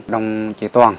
đồng chí toàn